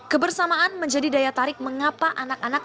kebersamaan menjadi daya tarik mengapa anak anak